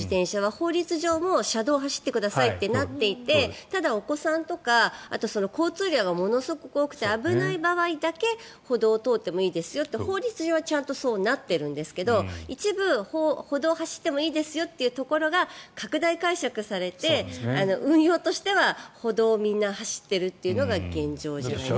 法律上も車道を走ってくださいってなっていてただ、お子さんとか交通量がものすごく多くて危ない場合だけ歩道を通ってもいいですよと法律上はちゃんとそうなってるんですが一部、歩道を走ってもいいですよっていうところが拡大解釈されて、運用としては歩道皆走ってるというのが現状じゃないですか。